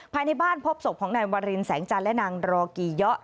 ภายในบ้านพบศพของนายวารินแสงจันทร์และนางรอกีเยาะ